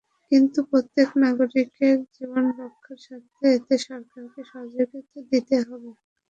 কিন্তু প্রত্যেক নাগরিকের জীবন রক্ষার স্বার্থে এতে সরকারকে সহযোগিতা দিতে হবে।